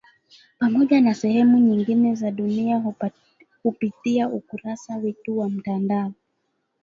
Pamoja na sehemu nyingine za dunia kupitia ukurasa wetu wa mtandao